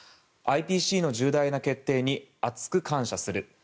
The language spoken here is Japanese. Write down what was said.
ＩＰＣの重大な決定に厚く感謝する。